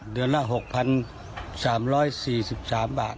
เดือนละ๖๓๔๓บาท